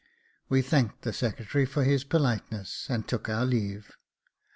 We thanked the secretary for his politeness, and took our leave.